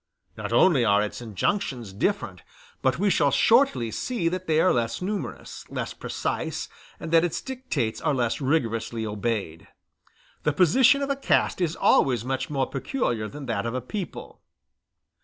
Not only are its injunctions different, but we shall shortly see that they are less numerous, less precise, and that its dictates are less rigorously obeyed. The position of a caste is always much more peculiar than that of a people.